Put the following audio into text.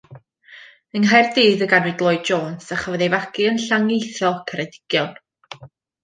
Yng Nghaerdydd y ganwyd Lloyd-Jones a chafodd ei fagu yn Llangeitho, Ceredigion.